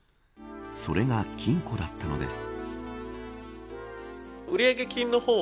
それが金庫だったのです。